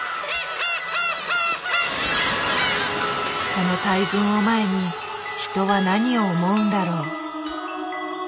その大群を前に人は何を思うんだろう？